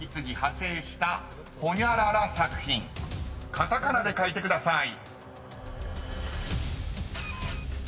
［カタカナで書いてください］